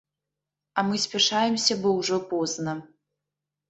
А мы спяшаемся, бо ўжо позна.